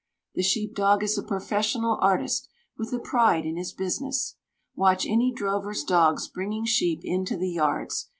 The sheep dog is a professional artist with a pride in his business. Watch any drover's dogs bringing sheep into the yards.